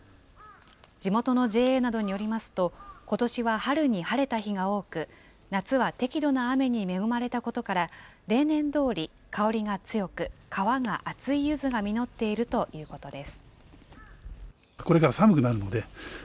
地元のＪＡなどによりますと、ことしは春に晴れた日が多く、夏は適度な雨に恵まれたことから、例年どおり、香りが強く、皮が厚いゆずが実っているということです。